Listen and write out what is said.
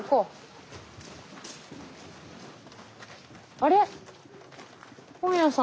あれ？